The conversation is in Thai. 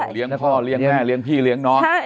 เรียนพ่อเรียนแม่เรียนพี่เรียนน้อง